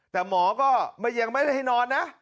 แต่หมอก็ยังไม่ได้ให้นอนนะ